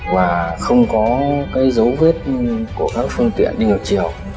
và không có cái dấu vết của các phương tiện đi ngược chiều